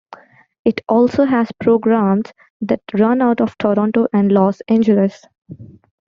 It also has programs that run out of Toronto and Los Angeles.